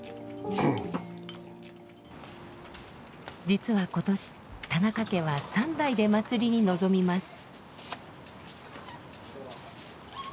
実は今年田中家は３代で祭りに臨みます。